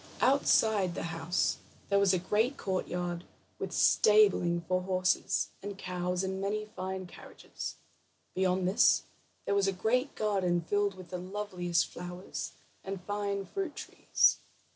Outside the house there was a great courtyard, with stabling for horses, and cows, and many fine carriages. Beyond this there was a great garden filled with the loveliest flowers, and fine fruit trees.